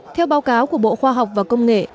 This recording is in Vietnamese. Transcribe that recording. theo báo cáo của bộ khoa học và công nghệ